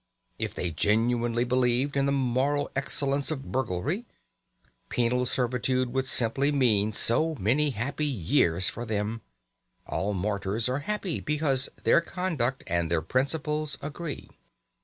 If they genuinely believed in the moral excellence of burglary, penal servitude would simply mean so many happy years for them; all martyrs are happy, because their conduct and their principles agree.